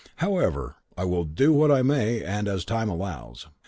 However, I will do what I may and as time allows.